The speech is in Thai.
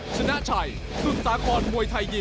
ชนะชัยศึกษากรมวยไทยยิ่ม